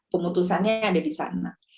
pemutusannya ada di sana